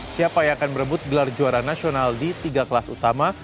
siapa yang akan berebut gelar juara nasional di tiga kelas utama